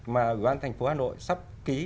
mà ủy ban thành phố hà nội sắp ký